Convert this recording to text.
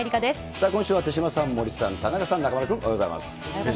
さあ、今週は手嶋さん、森さん、田中さん、中丸君、おはようございます。